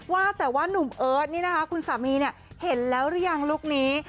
ว่าแต่ว่านุ่มเอิร์ทนี่นะคะคุณสามีเห็นแล้วหรือยังลุคนี้